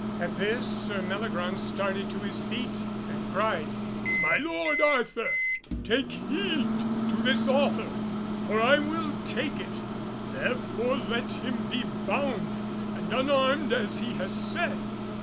At this Sir Meliagraunce started to his feet, and cried, "My lord Arthur, take heed to this offer, for I will take it, therefore let him be bound and unarmed as he has said."